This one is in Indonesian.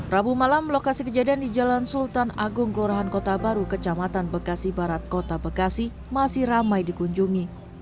rabu malam lokasi kejadian di jalan sultan agung kelurahan kota baru kecamatan bekasi barat kota bekasi masih ramai dikunjungi